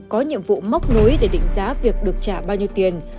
có nhiệm vụ móc nối để định giá việc được trả bao nhiêu tiền